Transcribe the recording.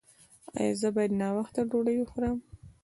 ایا زه باید ناوخته ډوډۍ وخورم؟